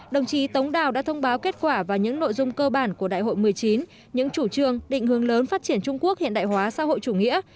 đồng chí tống đào đã thông báo kết quả và những nội dung cơ bản của đại hội một mươi chín những chủ trương định hướng lớn phát triển trung quốc hiện đại hóa xã hội chủ nghĩa